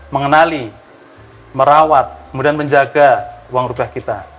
mengenali merawat kemudian menjaga uang rupiah kita